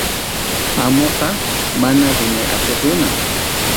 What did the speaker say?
Amuqa mana rimay atiq runam.